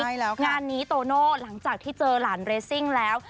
ใช่แล้วค่ะงานนี้โตโน่หลังจากที่เจอหลานเรซิ่งแล้ว